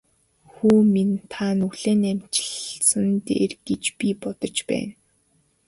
Хүү минь та нүглээ наманчилсан нь дээр гэж би бодож байна.